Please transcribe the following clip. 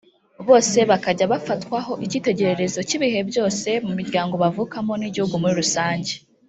bose bakajya bafatwaho icyitegererezo cy’ibihe byose mu miryango bavukamo n’igihugu muri rusange